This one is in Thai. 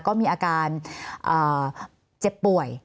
ก็มีอาการเจ็บป่วย